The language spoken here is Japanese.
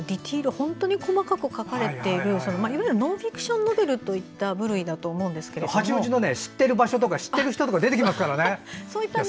本当に細かく書かれているいわゆるノンフィクションノベルという八王子の知ってる場所とか知ってる人とか出てきますから。